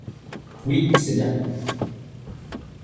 Oui, c’est bien !